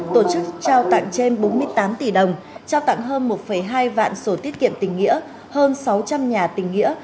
tổ chức trao tặng trên bốn mươi tám tỷ đồng trao tặng hơn một hai vạn sổ tiết kiệm tình nghĩa hơn sáu trăm linh nhà tình nghĩa